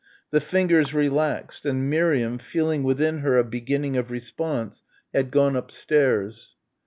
The fingers relaxed, and Miriam feeling within her a beginning of response, had gone upstairs.